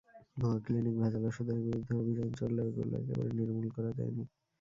ভুয়া ক্লিনিক, ভেজাল ওষুধের বিরুদ্ধে অভিযান চললেও এগুলো একেবারে নির্মূল করা যায়নি।